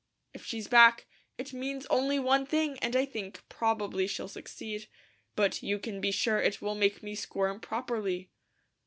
If she's back, it means only one thing, and I think probably she'll succeed; but you can be sure it will make me squirm properly."